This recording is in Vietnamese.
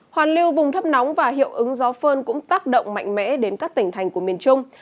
hoàn lưu vùng thấp nóng và hiệu ứng gió phơn cũng tác động mạnh mẽ đến các tỉnh thành của miền trung